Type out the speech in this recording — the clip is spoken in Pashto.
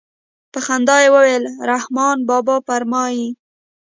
په خندا يې وويل رحمان بابا فرمايي.